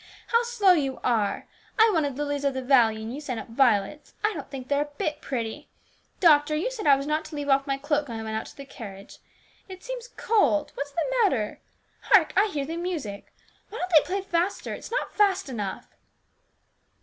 How slow you are ! I wanted lilies of the valley, and you sent up violets. I don't think they are a bit pretty. Doctor, you said I was not to leave off my cloak when I went out to the carriage. It seems cold ! What is the matter ? Hark ! I hear the music ! Why don't they play faster ? It is not fast enough."